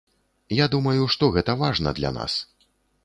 Я думаю, што гэта важна для нас.